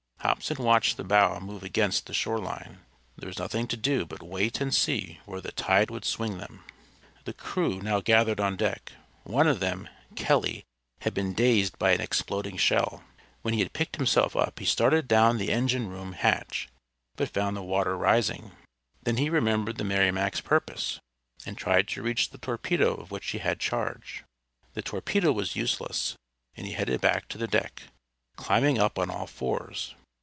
Hobson watched the bow move against the shore line. There was nothing to do but wait and see where the tide would swing them. The crew now gathered on deck. One of them, Kelly, had been dazed by an exploding shell. When he had picked himself up he started down the engine room hatch, but found the water rising. Then he remembered the Merrimac's purpose, and tried to reach the torpedo of which he had charge. The torpedo was useless, and he headed back to the deck, climbing up on all fours.